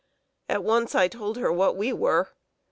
At once I told her what we were.